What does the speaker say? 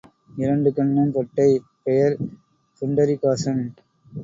இரண்டு கண்ணும் பொட்டை பெயர் புண்டரீகாக்ஷன்.